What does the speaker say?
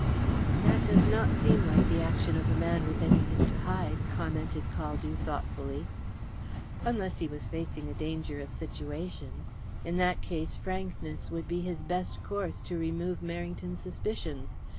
"That does not seem like the action of a man with anything to hide," commented Caldew thoughtfully. "Unless he was facing a dangerous situation. In that case, frankness would be his best course to remove Merrington's suspicions.